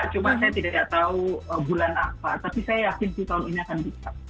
cuma saya tidak tahu bulan apa tapi saya yakin itu tahun ini akan bisa